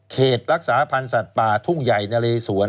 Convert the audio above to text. เขตรักษาพลังสัตว์ปลาทุ่งใหญ่ณเรสวน